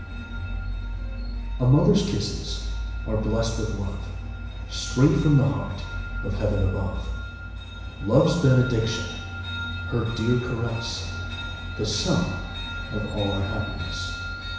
K.) A Mother's kisses Are blessed with love Straight from the heart Of Heaven above. Love's Benediction, Her dear caress, The sum of all our happiness.